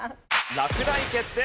落第決定！